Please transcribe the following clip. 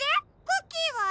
クッキーは？